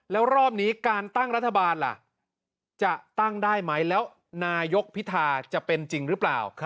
แล้วรอบนี้การตั้งรัฐบาลล่ะจะตั้งได้ไหมแล้วนายกพิธาจะเป็นจริงหรือเปล่า